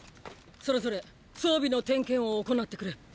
それぞれ装備の点検を行ってくれ。